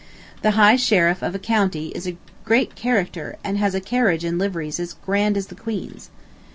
The High Sheriff of a county is a great character and has a carriage and liveries as grand as the Queen's.